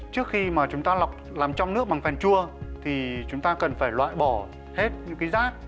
trước khi mà chúng ta lọc làm trong nước bằng phèn chua thì chúng ta cần phải loại bỏ hết những cái rác